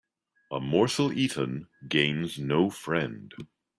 A morsel eaten gains no friend